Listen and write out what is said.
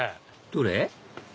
どれ？